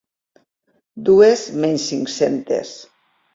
Dues menys cinc-centes.